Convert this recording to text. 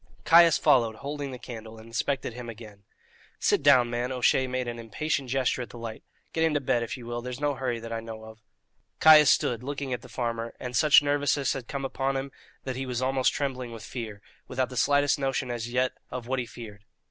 Caius followed, holding the candle, and inspected him again. "Sit down, man." O'Shea made an impatient gesture at the light. "Get into bed, if ye will; there's no hurry that I know of." Caius stood still, looking at the farmer, and such nervousness had come upon him that he was almost trembling with fear, without the slightest notion as yet of what he feared.